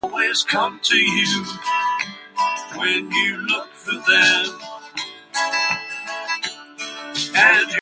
On the mesa just below McDowell Peak we stopped, turned, and looked around.